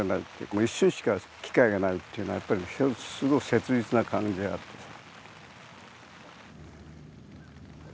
もう一瞬しか機会がないっていうのはやっぱりすごい切実な感じがあるんです。